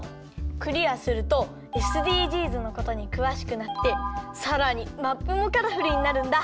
クリアするとＳＤＧｓのことにくわしくなってさらにマップもカラフルになるんだ。